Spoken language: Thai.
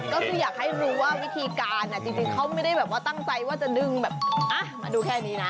ก็คืออยากให้รู้ว่าวิธีการจริงเขาไม่ได้แบบว่าตั้งใจว่าจะดึงแบบมาดูแค่นี้นะ